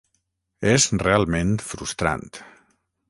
És realment frustrant...